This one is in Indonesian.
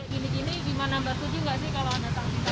gini gini gimana mbak setuju gak sih kalau ada sanksinya